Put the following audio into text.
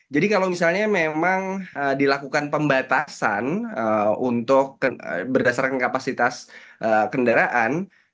jadi kalau misalnya memang dilakukan pembatasan untuk berdasarkan kapasitas kendaraan